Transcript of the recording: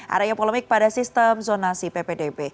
adanya polemik pada sistem zonasi ppdb